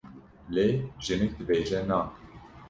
lê jinik dibêje Na!